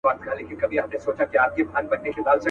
له عطاره یې عطرونه رانیوله.